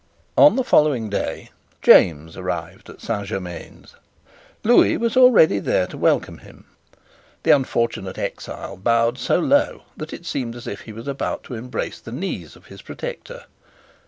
On the following day James arrived at Saint Germains. Lewis was already there to welcome him. The unfortunate exile bowed so low that it seemed as if he was about to embrace the knees of his protector.